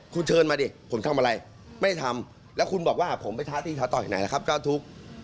คุณเชิญมาดิผมทำอะไรไม่ได้ทำแล้วคุณบอกว่าผมไปท้าตี้ท้าต่อยไหนล่ะครับเจ้าทุกข์